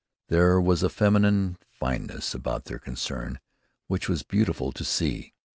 There was a feminine fineness about their concern which was beautiful to see.